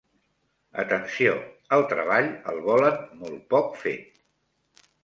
Atenció, el treball el volen molt poc fet.